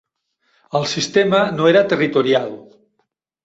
El sistema no era territorial.